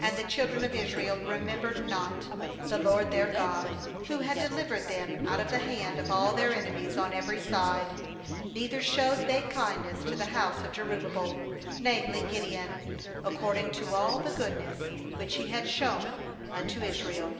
^And the children of Israel remembered not the LOED their God, who had delivered them out of the hand of all their enemies on every side; 35neither showed they kindness to the house of Jerubbaal, namely Gideon, according to all the goodness which he had shown unto Israel.